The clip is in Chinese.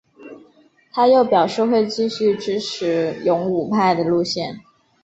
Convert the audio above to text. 他又表示会继续支持勇武派的路线。